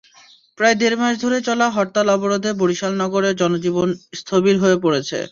প্রায় দেড় মাস ধরে চলা হরতাল-অবরোধে বরিশাল নগরের জনজীবন স্থবির হয়ে পড়েছে।